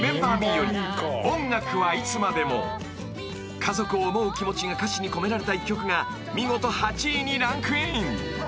［家族を思う気持ちが歌詞に込められた１曲が見事８位にランクイン］